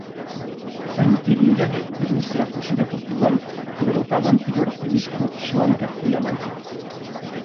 A interinidade debeuse á fuxida a Portugal do derrotado anterior arcebispo Xoán García Manrique.